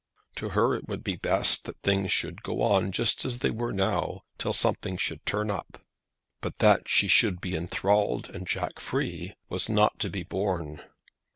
To her it would be best that things should go on just as they were now till something should turn up. But that she should be enthralled and Jack free was not to be borne!